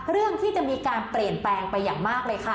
เรื่องที่จะมีการเปลี่ยนแปลงไปอย่างมากเลยค่ะ